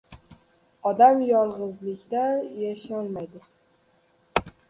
• Odam yolg‘izlikda yasholmaydi.